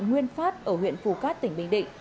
nguyên pháp ở huyện phù cát tỉnh bình định